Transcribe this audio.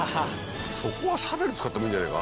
そこはシャベル使ってもいいんじゃねえか。